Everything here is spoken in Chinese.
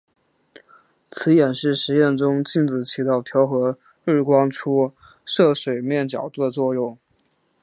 此演示实验中镜子起到调整日光出射水面角度的作用。